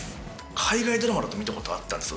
海外ドラマだと見たことあったんですよ